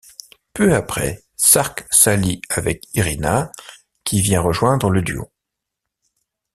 Peu après, Sark s'allie avec Irina qui vient rejoindre le duo.